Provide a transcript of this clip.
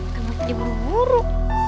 gak mungkin buru buru